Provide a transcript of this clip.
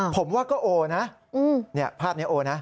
ผมว่าก็โอนะภาพนี้โอนะ